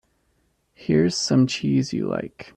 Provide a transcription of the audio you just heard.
Here's some cheese you like.